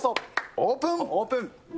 オープン。